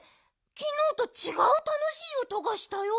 きのうとちがうたのしいおとがしたよ。